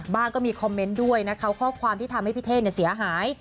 ก็มีคอมเมนต์ด้วยนะคะข้อความที่ทำให้พี่เท่เสียหาย